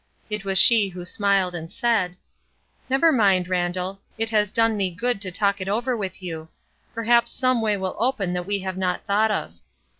It was she who smiled and said:— "Never mind, Randall, it has done me good to talk it over with you; perhaps some way will open that we have not thought of."